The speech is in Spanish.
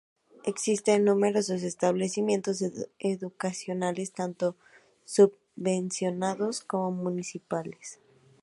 Existen numerosos establecimientos educacionales tanto subvencionados como municipales.